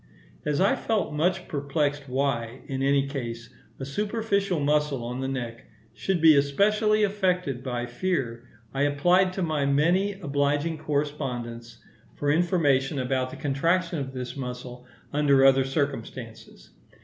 As I felt much perplexed why, in any case, a superficial muscle on the neck should be especially affected by fear, I applied to my many obliging correspondents for information about the contraction of this muscle under other circumstances.